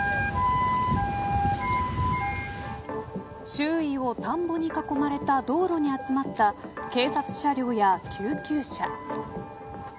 周囲を田んぼに囲まれた道路に集まった警察車両や救急車。